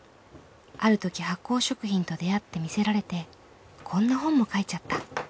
ある時発酵食品と出会って魅せられてこんな本も書いちゃった。